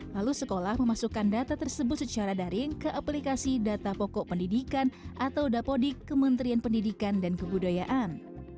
lalu sekolah memasukkan data tersebut secara daring ke aplikasi data pokok pendidikan atau dapodik kementerian pendidikan dan kebudayaan